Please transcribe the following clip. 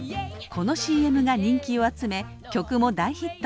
このＣＭが人気を集め曲も大ヒット。